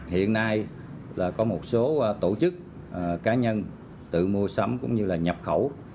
hiện nay là có một số tổ chức cá nhân tự mua sắm cũng như là nhập khẩu